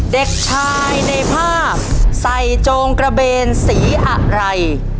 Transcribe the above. เด็กชายในภาพใส่โจงกระเบนสีอะไร